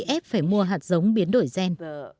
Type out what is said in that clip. vì vậy bồn gát phải mua hạt giống biến đổi gen